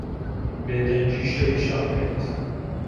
بێدەنگیی شەوی شەق کرد.